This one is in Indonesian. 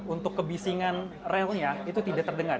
untuk kebisingan relnya itu tidak terdengar